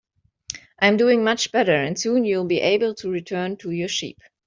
I'm doing much better, and soon you'll be able to return to your sheep.